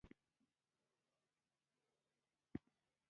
که په نظمونو کې د سېلابونو شمېر کم او زیات وي.